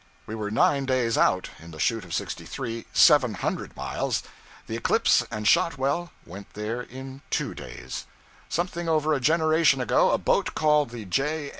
We were nine days out, in the chute of 63 (seven hundred miles); the 'Eclipse' and 'Shotwell' went there in two days. Something over a generation ago, a boat called the 'J.